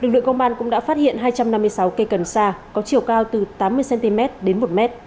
lực lượng công an cũng đã phát hiện hai trăm năm mươi sáu cây cần sa có chiều cao từ tám mươi cm đến một m